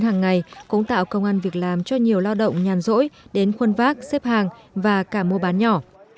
hàng ngày cũng tạo công an việc làm cho nhiều lao động nhàn rỗi đến khuôn vác xếp hàng và cả mua bán nhỏ